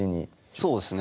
そうですね。